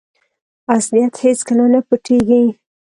اصلیت هیڅکله نه پټیږي.